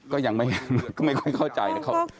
ก็ยังไม่ค่อยเข้าใจนะครับ